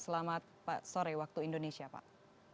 selamat sore waktu indonesia pak